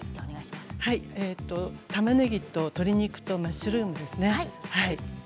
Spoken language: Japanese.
たまねぎと鶏肉とマッシュルームですね。